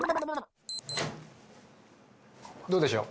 どうでしょう？